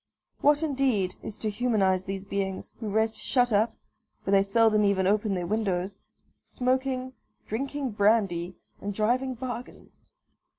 What, indeed, is to humanise these beings, who rest shut up (for they seldom even open their windows), smoking, drinking brandy, and driving bargains?